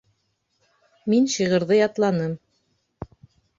Мин шиғырҙы ятланым